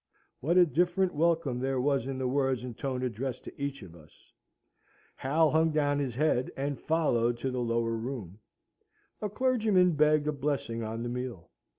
What a different welcome there was in the words and tone addressed to each of us! Hal hung down his head, and followed to the lower room. A clergyman begged a blessing on the meal.